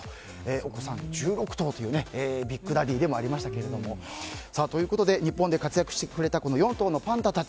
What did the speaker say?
お子さん１６頭というビッグダディーでもありましたが。ということで日本で活躍してくれた４頭のパンダたち。